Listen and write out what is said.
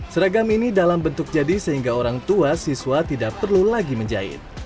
seragam ini dalam bentuk jadi sehingga orang tua siswa tidak perlu lagi menjahit